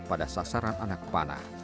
pada sasaran anak panah